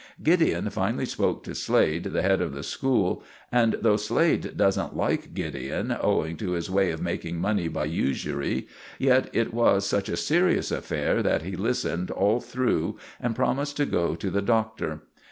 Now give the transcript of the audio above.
Gideon finally spoke to Slade, the head of the school, and though Slade doesn't like Gideon, owing to his way of making money by usury, yet it was such a serious affair that he listened all through and promised to go to the Doctor.